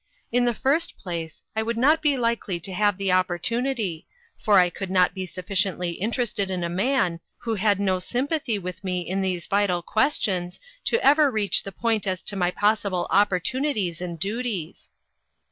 In the first place, I would not be likely to have the opportunity ; for . I could not be sufficiently interested in a man who had no sympathy with me in these vital questions, to ever reach the point as to my possible opportunities and duties."